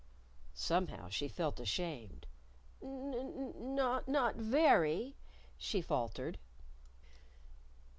_" Somehow, she felt ashamed. "N n not very," she faltered.